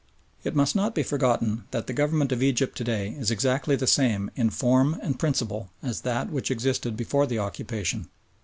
It must not be forgotten that the Government of Egypt to day is exactly the same in form and principle as that which existed before the occupation.